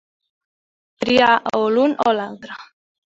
Triar o l'un o l'altre.